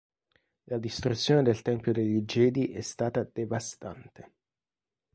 La distruzione del tempio degli Jedi è stata devastante.